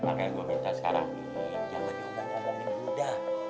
makanya gua minta sekarang ini jangan juga ngomongin mudah